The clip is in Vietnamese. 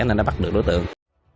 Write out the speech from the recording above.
nên đã bắt được đối tượng